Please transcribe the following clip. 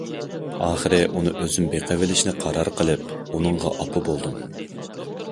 ئاخىرى ئۇنى ئۆزۈم بېقىۋېلىشنى قارار قىلىپ، ئۇنىڭغا ئاپا بولدۇم.